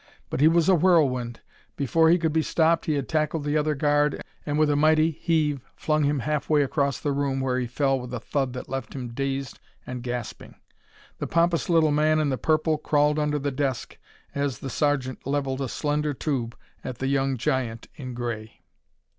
But he was a whirlwind. Before he could be stopped he had tackled the other guard and with a mighty heave flung him halfway across the room where he fell with a thud that left him dazed and gasping. The pompous little man in the purple crawled under the desk as the sergeant leveled a slender tube at the young giant in gray.